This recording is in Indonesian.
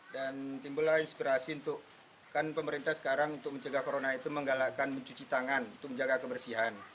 dan timbullah inspirasi untuk kan pemerintah sekarang untuk mencegah corona itu menggalakkan mencuci tangan untuk menjaga kebersihan